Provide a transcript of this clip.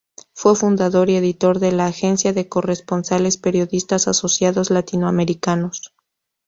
Fue fundador y editor de la Agencia de Corresponsales Periodistas Asociados Latinoamericanos.